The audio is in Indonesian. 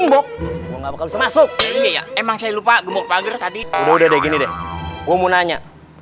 masuk masuk emang saya lupa